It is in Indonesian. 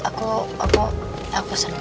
aku aku aku seneng